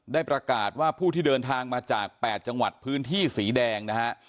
ได้ประกาศว่าผู้ที่เดินทางมาจาก๘จังหวัดพื้นที่สีแดงนะฮะ